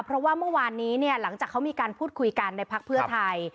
เพราะว่าเมื่อวานนี้เนี่ยหลังจากเขามีการพูดคุยกันในพักเพื่อไทย